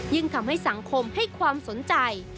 ทำให้สังคมให้ความสนใจ